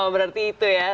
satu berarti itu ya